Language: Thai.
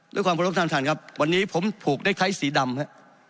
ด้วยความบรรทานท่านครับวันนี้ผมผูกได้ไท้สีดำฮะ